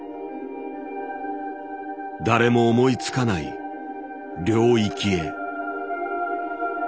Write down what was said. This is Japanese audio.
誰も思いつかない領域へ。